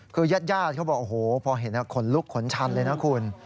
คือญาติเขาบอกโอ้โหพอเห็นขนลุกขนชันเลยนะคุณ